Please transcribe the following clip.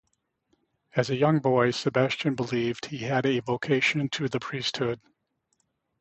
As a young boy, Sebastian believed he had a vocation to the priesthood.